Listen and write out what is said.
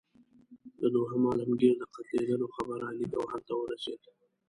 د دوهم عالمګیر د قتلېدلو خبر علي ګوهر ته ورسېد.